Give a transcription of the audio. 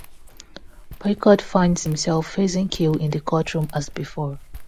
Picard finds himself facing Q in the courtroom as before.